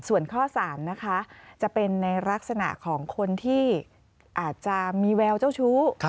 ส่วนข้อ๓นะคะจะเป็นในลักษณะของคนที่อาจจะมีแววเจ้าชู้